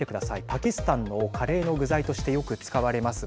パキスタンのカレーの具材としてよく使われます